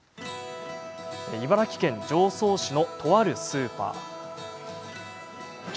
茨城県常総市の、とあるスーパー。